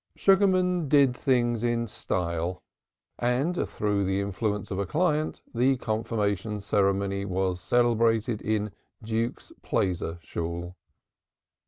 Sugarman did things in style and through the influence of a client the confirmation ceremony was celebrated in "Duke's Plaizer Shool."